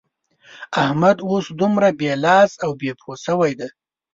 احمد اوس دومره بې لاس او بې پښو شوی دی.